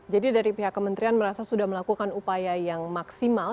jadi dari pihak kementrian merasa sudah melakukan upaya yang maksimal